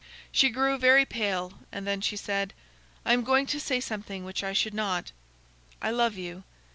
She grew very pale and then she said: "I am going to say something which I should not. I love you.